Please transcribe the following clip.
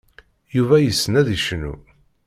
Yuba yessen ad yecnu.